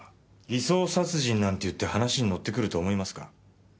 偽装殺人なんて言って話に乗ってくると思いますか？